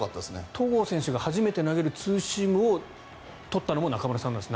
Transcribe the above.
戸郷選手が初めて投げたツーシームを取ったのも中村さんなんですね。